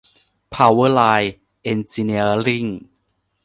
เพาเวอร์ไลน์ เอ็นจิเนียริ่ง